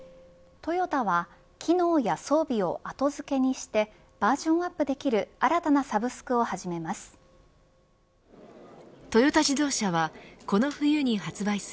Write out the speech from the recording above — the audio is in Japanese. トヨタは機能や装備をを後付けにしてバージョンアップできる新たなサブスクを始めます。